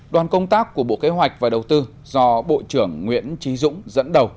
đoàn công tác của bộ kế hoạch và đầu tư do bộ trưởng nguyễn trí dũng dẫn đầu